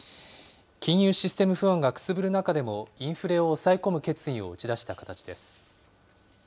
金融システム不安がくすぶる中でも、インフレを抑え込む決意を打ち出した形です。